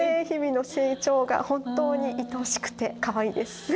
日々の成長が本当にいとおしくてかわいいです。